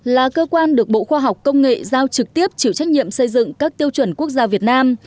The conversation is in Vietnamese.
là cơ quan được bộ khoa học công nghệ giao trực tiếp chịu trách nhiệm xây dựng các tiêu chuẩn quốc gia việt nam